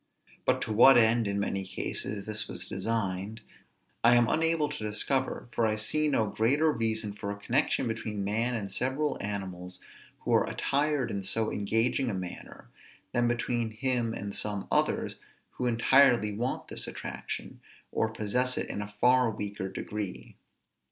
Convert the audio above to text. But to what end, in many cases, this was designed, I am unable to discover; for I see no greater reason for a connection between man and several animals who are attired in so engaging a manner, than between him and some others who entirely want this attraction, or possess it in a far weaker degree.